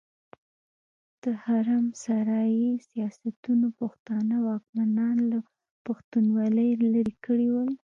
د حرم سرای سياستونو پښتانه واکمنان له پښتونولي ليرې کړي ول.